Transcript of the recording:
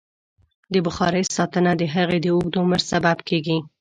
د بخارۍ ساتنه د هغې د اوږد عمر سبب کېږي.